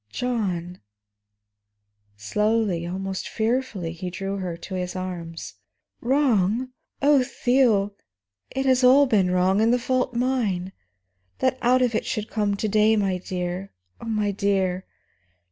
John " Slowly, almost fearfully, he drew her to his arms. "Wrong! Oh, Theo, it has all been wrong, and the fault mine! That out of it all should come to day, my dear, my dear."